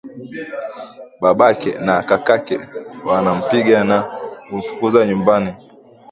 Babake na kakake wanampiga na kumfukuza nyumbani